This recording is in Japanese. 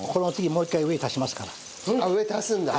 上足すんだ。